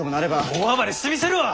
大暴れしてみせるわ！